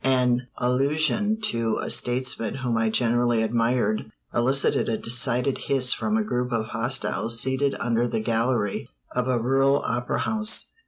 An allusion to a statesman whom I greatly admired elicited a decided hiss from a group of hostiles seated under the gallery of a rural opera house.